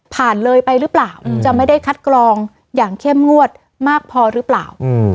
เลยไปหรือเปล่าจะไม่ได้คัดกรองอย่างเข้มงวดมากพอหรือเปล่า